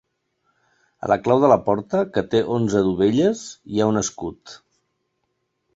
A la clau de la porta, que té onze dovelles, hi ha un escut.